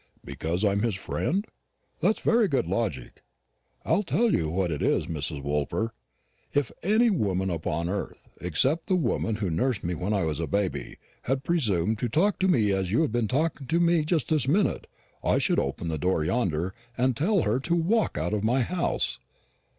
"Because I'm his friend? That's very good logic! I'll tell you what it is, Mrs. Woolper; if any woman upon earth, except the woman who nursed me when I was a baby, had presumed to talk to me as you have been talking to me just this minute, I should open the door yonder and tell her to walk out of my house.